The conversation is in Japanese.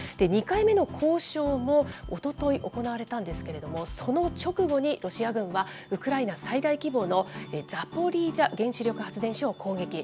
２回目の交渉もおととい、行われたんですけれども、その直後に、ロシア軍は、ウクライナ最大規模のザポリージャ原子力発電所を攻撃。